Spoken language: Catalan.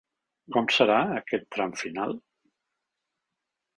Com serà aquest tram final?